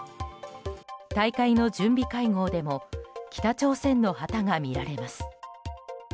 大会の準備会合でも北朝鮮の旗が見られます。